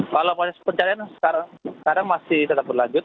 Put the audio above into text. kalau proses pencarian sekarang masih tetap berlanjut